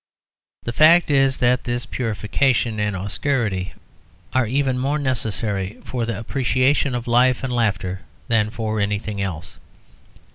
The fact is that this purification and austerity are even more necessary for the appreciation of life and laughter than for anything else.